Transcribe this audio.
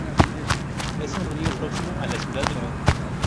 Es un río próximo a la ciudad de Lugo.